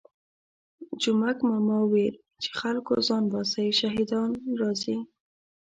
جومک ماما ویل چې خلکو ځان باسئ شهادیان راځي.